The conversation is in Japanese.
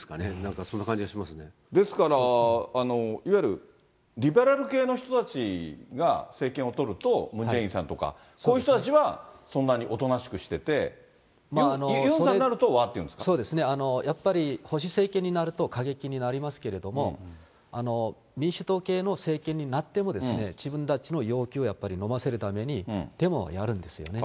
そんな感じがしますですから、いわゆるリベラル系の人たちが政権を取ると、ムン・ジェインさんとか、そういう人たちは、それなりにおとなしくしてて、ユンさんになると、わーっていうんやっぱり、保守政権になると、過激になりますけれども、民主党系の政権になっても、自分たちの要求をやっぱりのませるために、デモをやるんですよね。